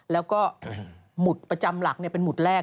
แล้วก็หมุดประจำหลักเป็นหุดแรก